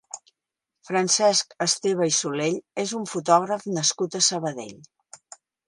Francesc Esteve i Soley és un fotògraf nascut a Sabadell.